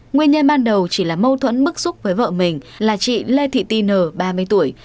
nguyên nhân ban đầu chỉ là mâu thuẫn bức xúc với vợ mình là chị lê thị ti n ba mươi tuổi